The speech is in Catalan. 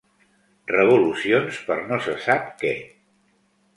Revolucions per no se sap què.